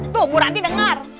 tuh bu ranti dengar